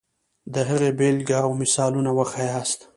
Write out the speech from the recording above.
د هغې بېلګې او مثالونه وښیاست.